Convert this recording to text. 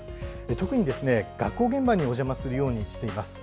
特に、学校現場にお邪魔するようにしています。